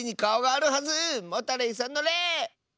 モタレイさんの「レ」！